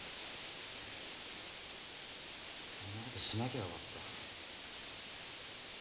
あんなことしなきゃよかった。